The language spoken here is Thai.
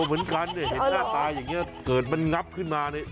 เห็นหน้าตายอย่างเงี้ยเกิดมันนับขึ้นมาเนี่ย